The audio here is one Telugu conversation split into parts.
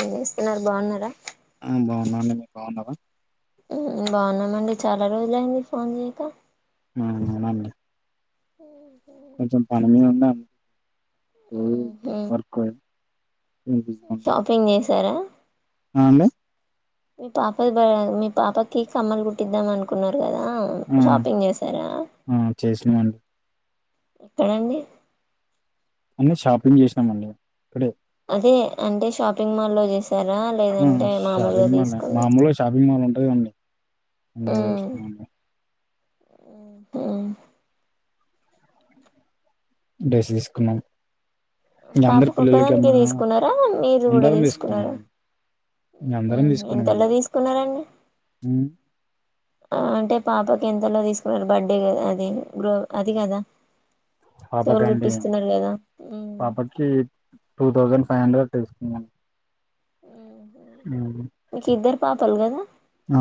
ఆ చేస్తున్నారు బాగున్నారా బాగున్నా అండి బాగున్నారా బాగున్నామండి చాలా రోజు ఐంది ఫోన్ చేయక ఆ అవునండి ఉ కొంచెం పనిమీద ఉన్నాను ఎవరు వర్క్ షాపింగ్ చేసారా అ అండి మీ పాప మీ పాపకి కమ్మలు కుట్టిద్దాం అనుకున్నారు కదా షాపింగ్ చేసారా ఊ అండి ఎక్కడండి అన్నీ షాపింగ్ చేసినామ అండి ఇక్కడే అదే అంటే షాపింగ్ మాల్ లో చేస ఆ షాపింగ్ మాల్ మామలుగా షాపింగ్ మాల్ ఉంటుందండి అందులో తీసుకున్నాం అండి ఉ డ్రెస్ తీసుకున్నాం ఇంక అందరు పాపకొక్కదానికే పిల్లలకమ్మా తీసుకున్నారా మీరు కూడా అందరం తీసుకున్నారా తీసుకున్నామండి ఇంక అందరం ఎంతలో తీసుకున్నామండి తీసుకున్నారు అండి ఉమ్ అంటే పాపకి ఎంతలో తీసుకున్నారు బర్త్డే క అది గ అది కదా పాప చెవులు కా అండి కుట్టిస్తున్నారు కదా మ్మ్ పాపకి టూ థౌసండ్ ఫైవ్ హండ్రెడ్ తీసుకున్నను ఉ మీకు ఇద్దరు పాపలు కదా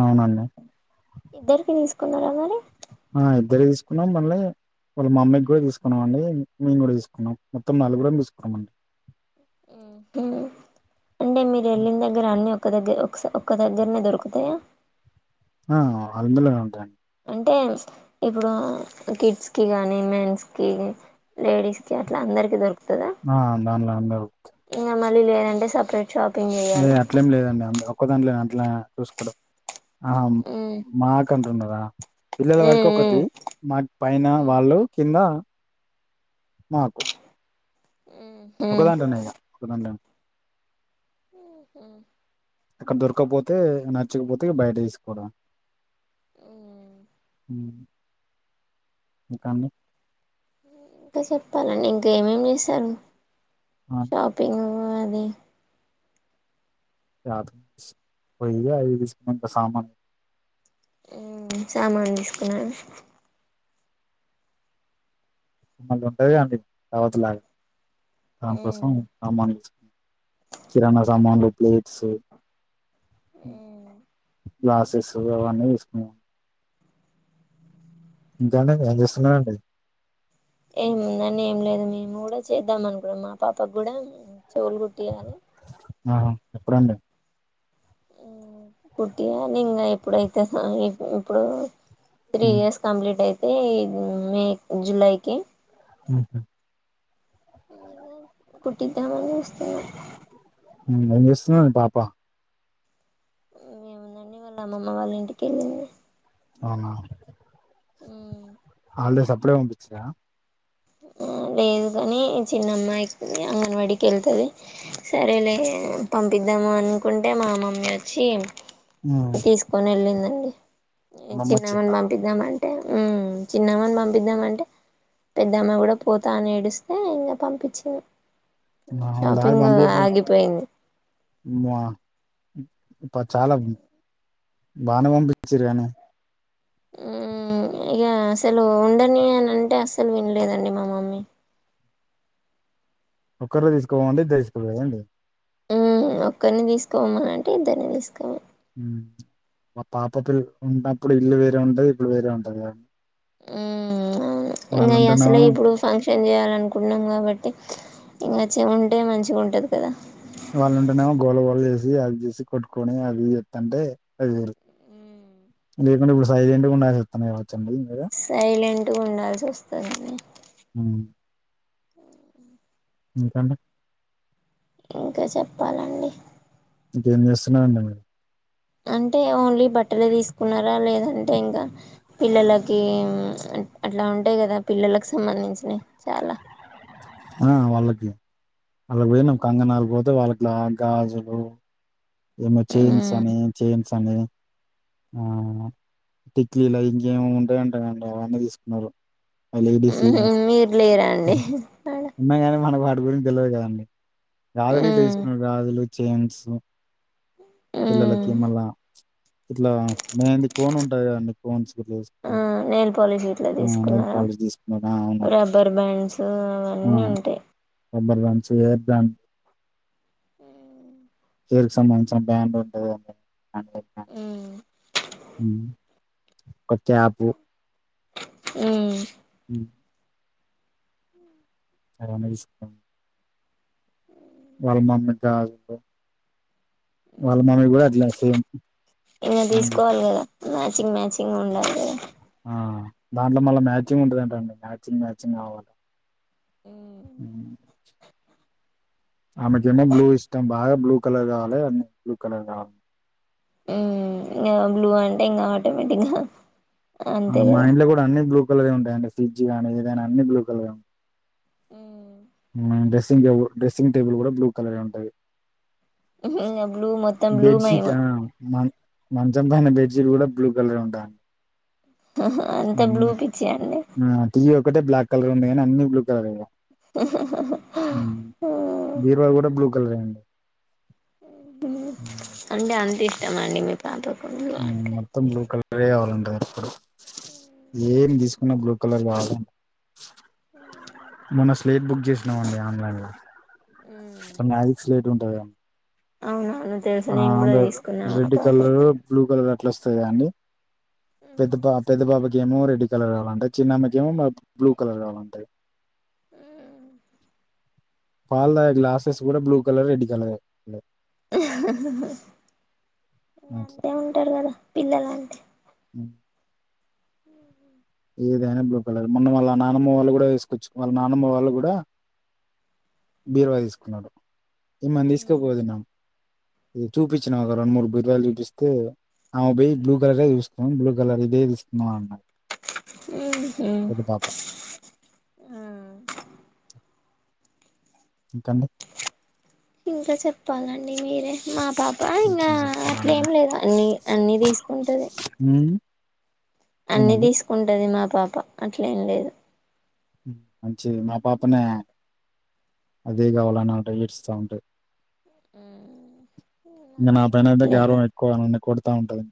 అవునండి ఇద్దరికీ కమ్మలు కావాలా ఇద్దరీ తీసుకున్నాం మళ్ళీ వాళ్ళ మా మమ్మీకి కూడా తీసుకున్నాం అండి నేను కూడా తీసుకున్నాం మొత్తం నలుగుర తీసుకున్నాం అండి ఉహు అంటే మీరు వెళ్ళిన దగ్గర అన్ని ఒకక్క దగ్గర ఒక ఒక్క దగ్గరనే దొరుకుతాయా ఆ అందులోనే ఉంటాయి అంటే ఇప్పుడు కిడ్స్ కి గానీ మెన్స్ కి లేడీస్ కి అట్లా అందరికి దొరుకుత ఆ దాన్లో ఉండవ్ మళ్లీ లేదంటే సపరేట్ షాపింగ్ ఏ చేయాలా అట్లేం లేదండి ఒక్క దాంట్లో నే అట్లా చూసుకోడు ఆ మ్మ్ మాకి అంటున్నావ్ బ పిల్లల వరకు ఒకటి మ్మ్ మాకు పైన వాళ్ళు కింద నాకు ఒక మ్మ్ దాంట్లో ఉన్నాయిక ఒక దాంలో ఉన్నా ఆ అక్కడ దొరకపోతే నచ్చకపోతే బయట వసుకోవడం అ ముకామ ఇంకా చెప్పాలండి ఇంక ఏమేమి చేశారు ఆ! షాపింగ్ పోది దు పోగామె సమాన్ సామానులు తీసుకున్నాను మళీ ఉంటది అండి తర్వతలాగా రా ప్రసంమ్మాని కిరాణా సామాన్లు ప్లేట్స్ గ్లాసెస్ అవన్నీ వేసుకున్నాము ఇంకానే ఏం చేస్తున్నారండి ఏముందని ఏం లేదు మీ చేద్దాం అనుకున్నా మా పాప కూడా చోలు కుట్టాలి ఆహా ఎప్పుడుండ కుటియా నిం ఎప్పుడైతే ఇప్పుడు త్రీ ఉమ్, ఇయర్స్ కంప్లీట్ యితే మే జులైకి ఆహ కు తమ వస్తుస్తు అస్తున్నాడి పాపా మేముందండి వాళ్ళ అమ్మమ్మ వాళ్ళ ఇంటికి వెళ్ళింది అవునా ఉ హల్డే స అప్డే పంపించా లేదు కానీ చిన్నమ్మాయికి అంగన్వాడీకి వెళ్తుంది సరే లే పంపిద్దాము అనుకుంటే మా మమ్మీ వచ్చి తీసుకొని ఎళ్ళిందండి ఈ మమ్మ చిన్నమని వచ్చిందా పంపిద్దామన్ హుమ్ చిన్నమని పంపిద్దామంటే పెద్దామే గుడా పోతా అని ఏడిస్తే ఇంకా పంపిచినా వాళ్ళ డాడీ షాపింగు పంపి ఆగిపోయింది పద్ చాలవు బానే పంపిచిరు గా నాక్ హుమ్ ఇగ అసలు ఉండనియను అంటే అసలు వినలేదండి మా మమ్మీ ఒకరు తీసుకోమంటే తే తీసుకుపోదండి ఉ ఒక్కరిని తీసుకోవమా అంటే ఇద్దరిని తీసుకోమ మా పాప పిల్ల ఉన్నప్పుడు ఇల్లు వేరే ఉంటది ఇప్పుడు వేరే ఉంటది మ్మ్ మాలంటన్నా షం చేయాలనుకుంటున్నాం కాబట్టి ఇంకాచ్చ ఉంటే మంచిగా ఉంటుంది కదా వాళ్ళు ఉంటేనేమో గోల గోళ చేసి అది చేసి కొట్టుకొని అది చెస్తంటే అది లేకుంటే ఇప్పుడు సైడ్ ఏంట కూడాస్తన్నా కావచ్చండి సైలెంట్గా ఉండాల్సి వస్తుంది హ ఇంకా అండి ఇంకా చెప్పాలండి ఇంకేం చేస్తున్నారాండి మీరు అంటే ఓన్లీ బట్టలు తీసుకున్నారా లేదంటే ఇంకా పిల్లలకి అట్లా ఉంటాయి కదా పిల్లకి సంబంధించినవి చాలా ఆ వాళ్ళకి అలా పోయి న కంగనాలు పోతే వాళ్ళకి పలా గాజులు ఏమో చైన్స్ మ్మ్. అని చైన్స్ అని ఆ టిక్లీలా ఇంకేమో ఉంటాయంటాండి అవన్నీ తీసుకున్నారు లేడీస్ ఏమో మీరు లేరండి అడ ఇ గురించి తెలిలయదు కదండి గాజులు మ్మ్. తీసుకున్నారు గాజులు చైన్స్ మ్మ్. పిల్లలకి మళ్ళా ఇట్లా మెయింది కోన్ ఉంటాందిండి కోన్స్ మెయిల్పోలిష్ ఇట్లా ఆ నెయిల్ తీసుకున్నారా పాలిష్ తీసుకున్నారు ఆ అవునండి రబ్బర్ బ్యాండ్స్ అవన్నీ ఉంటాయి చేర్ద్దన్ ఉ హర్కి సంబంధించిన బ్యాండ్ ఉంటుంది అేే ఉమ్ ఒక క్యాప్ ఉ అ అ వాళ్ళ మమ్మీ గాజులు వాళ్ళ మమ్మీ కూడా అట్లా సేమ్ ఇంకా తీసుకోవాలి కదా మ్యాచింగ్ మ్యాచింగ్ ఉండాలి కదా ఆ దాంట్లో మళ్ళా మ్యాచింగ్ ఉంటుందింట అండి మ్యాచింగ్ మ్యాచింగ్ కావాలి మ్మ్. ఆమెకు ఏమో బ్లూ ఇష్టం బాగా బ్లూ కలర్ కావాల అన్ని బ్లూ కలర్ కావాల ఇం బ్లూ అంటే ఇంకా ఆటోమేటిక్ గా మా ఇంట్లో కూడా అన్ని బ్లూ కలర్ ఉంటాయిడి ఫ్రిడ్జ్ కానీ ఇది కానీ అన్ని బ్లూకల్ మ్మ్. డ్రెస్సింగ్ టబుల్ డ్రెస్సింగ్ టేబుల్ కూడా బ్లూ కలర్ ఉంటుది బ్లూ మొత్తం బ్లూ మహిమ బెడ్షీట్ మ మంచం పైన బెడ్షీట్ కూడా బ్లూ కలర్ ఉంటా అంత బ్లూ పిచ్చియండి టీవీ ఒకటే బ్లాక్ కలర్ ఉంది కానీ అన్ని బ్లూ కలర్ బీరువా కూడా బ్లూ కలర్ అ అండి అడి అంటి త మడి మీ పాపకు బ్లూ అంటే మత్తం బ్లూ కలరే అవరుండి పంగప్పుడు ఏం తీసుకో బ్లూ కలర్ మొన్న స్లేట్ బుక్ చేసినామ అండి ఆన్లైన్ లో నాజక్ స్లేట్ ఉంటుందిండి [inaudible] అవునా ఆ అ రెడ్ కలరు పాపకి బ్లూ కలర్ ఎట్లొస్తాయా అన్నీ పెద్ద పా పెద్ద పాప ఏమో రెడ్ కలర్ కావాలంటాయి చిన్నమ్మ గ ఏమో బ్లూ కలర్ కావాలంటయి ఉ పాల్దాయ గ్లాసెస్ కూడా బ్లూ కలర్ రెడ్డి కలర్ [inaudible] ఇ అట్లా అంతే ఉంటారు కదా పిల్లలు అంతే ఉమ్, హ ఏదైనా బ్లూ కలర్ మొన్న వాళ్ళ నానమ్మ వాళ్ళు కూడా వేసుకోవచ్చు వాళ్ళ నానమ్మ వాళ్ళు కూడా బీరువా తీసుకున్నాడు ఇమని తీసుకోపోతున్నాం చూపించినాం ఒక రెండు మూడు బుధలు చూపిస్తే ఆమె పోయయి బ్లూ కలరే చూస్తున్నాం బ్లూ కలర్ ఇదే ఇస్తున్నాం అన్నాడు ఇంట పాప [inaudible] ఇంకానే ఇంకా చెప్పాలండి మీరే మా పాప ఇంకా ఇంకేం అట్లా చెప్పాలండి ఏం లేదు అన్ని అన్ని తీసుకుంటది ఉమ్, అన్ని ఏందండి తీసుకుంటది మా పాప అట్లేం లేదు మంచి మా పాపనే అదే కావాలనింటే ఏడుస్తా ఉంటే మా ఇంక నా అమ్మాయి పైన అయితే అట్లేదు గౌరవం ఎక్కువ నన్న కొడతా ఉంటంది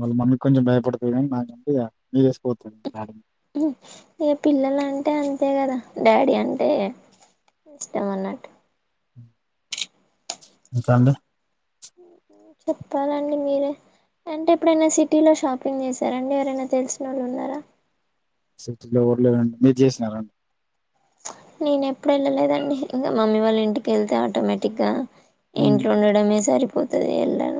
వాళ్ళ మమ్మీ కొంచెం భయపడుతుంది కానీ నాకం మీ వేసిపోతుంది ఇక పిల్లల అంటే అంతే కదా డాడీ అంటే ఇష్టం అన్నట్టు ఇకాడి చెప్పాలండి మీరే అంటే ఎప్పుడైనా సిటీలో షాపింగ్ చేసారాండి ఎవరైనా తెలిసిన వాళ్ళు ఉన్నారా సలో ఊర్లేదండి మీరు చేసినారండి నేను ఎప్పుడు వెళ్ళలేదండి ఇంకా మమ్మీ వాళ్ళ ఇంటికి వెళ్తే ఆటోమేటిక్గా ఉమ్. ఇంట్లో ఉండడమే సరి పోతుది ఎలర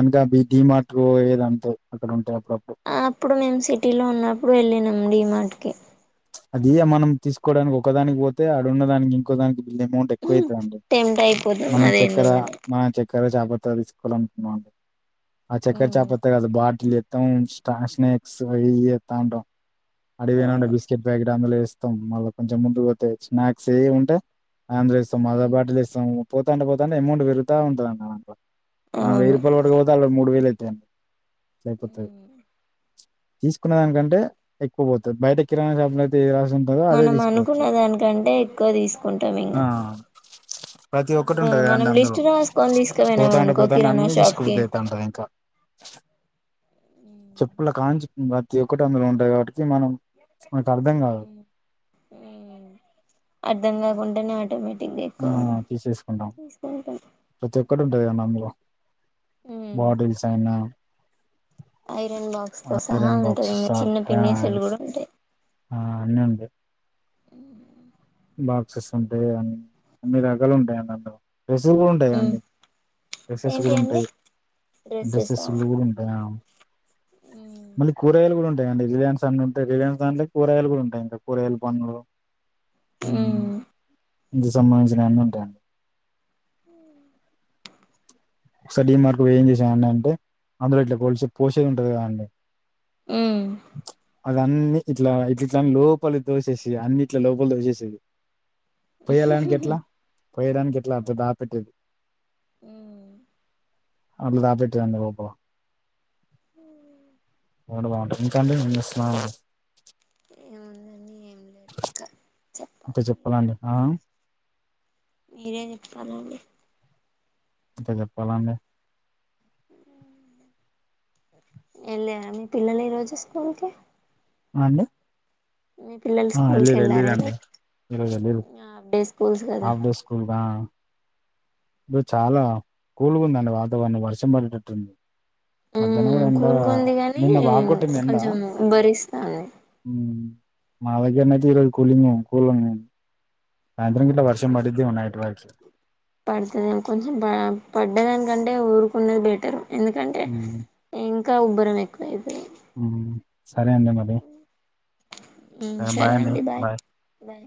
అనుక బ మార్ట్ ఏది అంటే అక్కడ ఉంటేయి అప్పుడప్పుడు ఆ అప్పుడు మేము సిటీలో ఉన్నప్పుడు వెళ్ళినం డి మాట్కి అది మనం తీసుకోవడానికి ఒకదానికి పోతే ఆడున్నదానికి ఇంకో దానికి వీళ్ళ మూట ఎక్కువైతుందిండి టెంప్ట్ అయిపోతాం మన అదేందో చక్కెర కాని మన చక్క ఇక్కర జాబ్రత్తాలు తీసుకోవాలనుకుున్నామండి ఆ చక్కర్ చాపత్త్గ బాటి స్ స్నేక్స్ వ ఎతాంట అడివేనా అవును బస్ ఇక్కడ అందులో ఇస్తాం మళ్ళీ కొంచెం ముందుకు పోతే స్నాక్స్ వ ఉంటే అందులో ఇస్తాం మదా బాటిలు ఇస్తాం పోతంటే పోతంటే అమౌంట్ పెరుగుతా ఉంటందింట్లో మన వెయ్యి రూయ అవును వర పోతే అలా మూడు వేలు అయితే టన్ తైపుతు తీసుకునే దానికంటే ఎక్కువ పోతుంది బయట చె రా మనం అనుకున్న దానికంటే ఎక్కువ తీసుకుంటాం ఇంకా ఆ ప్రతి ఒక్కటి ఇప్పుడు ఉంటది మనం కదండి అందులో లిస్ట్ రాసుకొని తీసుకు వెనాం పోతాంటే అనుకో పోతాంటే కిరాణా అన్ని షాప్కి తీసుకుబుద్ధి అయితాంటది ఇంకా చెప్పుల కాంచి ప్రతి ఒక్కటి అందలో ఉంటాయి కాబట్టి మనం మనకు అర్థం కాదు అర్ధం కాకుండానే ఆటోమేటిక్ ఆ తీసేసుకుంటాం ప్రతి ఒక్కరు అదే నంబవ మ్మ్ బటిల్సైనా ఐరన్ బాక్స్ తో సహా ఐరన్ ఉంటంది బాక్సెస్ ఇంకా చిన్న పిన్నిసులు కూడా ఉంటాయి ఆ అన్నంది బాక్సెస్ ఉంటాయి అ అన్ని రకాలు ఉంటాయి అందులో డ్రెస్సెస్ కూడా మ్మ్ ఉంటాయియాండి డ్రెస్సెస్ ఏంటి కూడా అండి ఉంటాయి డ్రెస్సెస్ డ్రెస్సెసా కూడా ఉంటాయా మ్మ్ మళ్ళీ కూరయలు కూడా ఉంట అ అండి రిలయన్స్ అన్ని ఉంటే రిలయన్స్ దాంట్లో కూరగాయలు కూడా ఉంటాయి ఇంకా కూరగాయలు పనులు మ్మ్ హ సంబంధించిన ఎన్న ఉంటాయండి హ ఒకసారి మార్కు ఏం చేసాయంండి అంటే అందులో ఇట్లా కోలిస పోసేది ఉంటది కదండి హమ్ అద అన్ని ఇట్లా ఇట్ ఇట్ల లోపల దోసేసవి అన్ని ఇట్ల లోపల దోసేసేవి పోయ్యాలనికినికి ఎట్లా పోయడానికి ఎట్లా అర్థ దాపెట్టి ఉ అట్ల దాపెట్టి అంటఓ పో హ బాగుంటది ఎందుకంటే ఏమ్ చే స్తున్నా ఏముందండీ ఏం లేదు ఇంకా అంటే చెప్పాలి చెప్పాలండి ఆ మీరేం చెప్తనండి అంతే చెప్పాలండి వెళ్ లేదా మీ పిల్లలు ఈ రోజు స్కూల్ కి ఆ అండి మీ పిల్లలు ఆ స్కూల్ కి ఎల్లిరి ఎల్రి వెళ్ళారా అండి ఈరోజు ఇరోజ్ ఎల్లిరీ హాఫ్ డే స్కూల్స్ కదా హాఫ్ డే స్కూల్గా లో చాలా కూల్గా ఉందండి వాతావరణం వర్షం పడేటట్టుంది మధ్యాహ్నం కూడా ఉమ్ ఎండ కూల్గా ఉంది గానీ నిన్న బాగొట్టింది ఎండ కొంచెం ఉభరిస్తాంది మాదగ్గరనైతే ఈరోజు కూలింగ్ కూల్ ఉన్నాయ్ సాయంత్రంకిట్ల వర్షం పడిదే మో నైట్ వయికి పెడతాదే మో కొంచెం ప పడ్డదానికంటే ఊరుకునేది బెటరు ఎందుకంటే ఉమ్, ఇంక్ ఇంకా ఉబ్బరం ఎక్కువ అయిపోయ్ ఉమ్ సరే అండి మరీ సరే బాయ్ అండి బాయ్ బాయ్